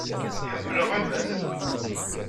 Ḥemmleɣ aman.